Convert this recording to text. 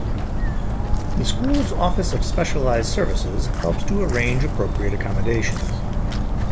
The school's Office of Specialized Services helps to arrange appropriate accommodations.